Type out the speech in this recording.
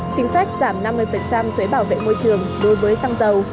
chính sách giảm năm mươi thuế bảo vệ môi trường đối với xăng dầu